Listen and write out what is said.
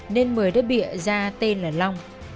nên một mươi đã bịa da tên là long